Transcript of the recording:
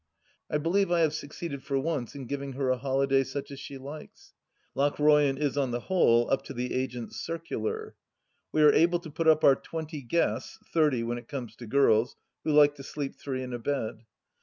I believe I have succeeded for once in giving her a holiday such as she likes. Lochroyan is, on the whole, up to the agent's circular. We are able to put up our twenty guests — ^thirty when it comes to girls, who like to sleep three in a bed.